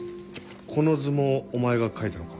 この図もお前が描いたのか？